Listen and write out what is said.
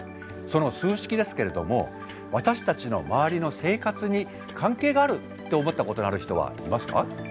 その数式ですけれども私たちの周りの生活に関係があるって思ったことのある人はいますか？